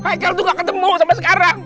fajar tuh gak ketemu sampai sekarang